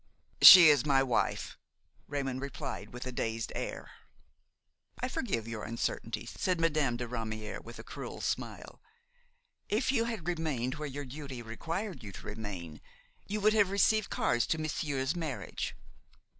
"She is my wife," Raymon replied with a dazed air. "I forgive your uncertainty," said Madame de Ramière with a cruel smile. "If you had remained where your duty required you to remain, you would have received cards to monsieur's marriage.